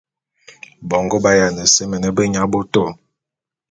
Bongo ba’ayiana seme beyaboto.